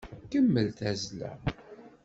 Kemmel tazzla!